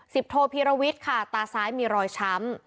โทพีรวิทย์ค่ะตาซ้ายมีรอยช้ำ